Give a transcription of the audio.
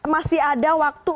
masih ada waktu